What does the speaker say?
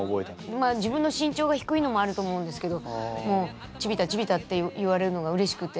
まあ自分の身長が低いのもあると思うんですけどもうチビ太チビ太って言われるのがうれしくて。